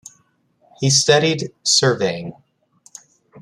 He studied surveying.